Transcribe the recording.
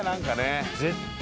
絶対。